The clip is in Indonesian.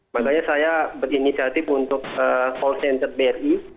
makanya saya berinisiatif untuk call center bri